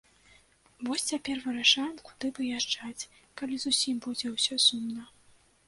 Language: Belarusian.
Вось цяпер вырашаем куды выязджаць, калі зусім будзе ўсё сумна.